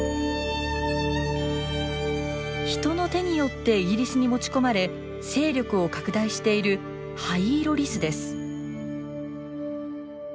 人の手によってイギリスに持ち込まれ勢力を拡大しているハイイロリスです。